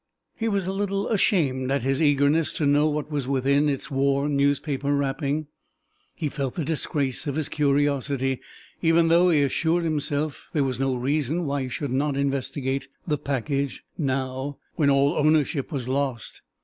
He was a little ashamed at his eagerness to know what was within its worn newspaper wrapping. He felt the disgrace of his curiosity, even though he assured himself there was no reason why he should not investigate the package now when all ownership was lost.